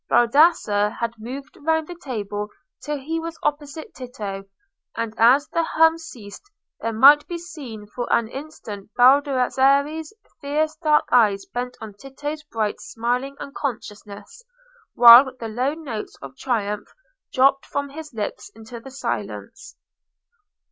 Baldassarre had moved round the table till he was opposite Tito, and as the hum ceased there might be seen for an instant Baldassarre's fierce dark eyes bent on Tito's bright smiling unconsciousness, while the low notes of triumph dropped from his lips into the silence.